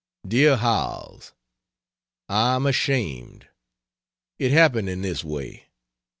DEAR HOWELLS, I'm ashamed. It happened in this way.